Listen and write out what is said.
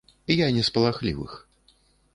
Я не з палахлівых.